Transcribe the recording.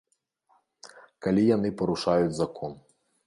Калі яны парушаюць закон.